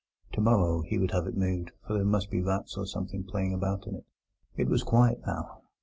Tomorrow he would have it moved, for there must be rats or something playing about in it. It was quiet now.